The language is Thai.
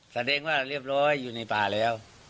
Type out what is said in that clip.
แสดงว่าเรียบร้อยอยู่ในป่าแล้ว